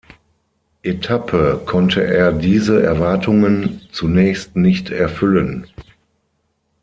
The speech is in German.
Etappe konnte er diese Erwartungen zunächst nicht erfüllen.